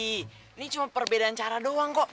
ini cuma perbedaan cara doang kok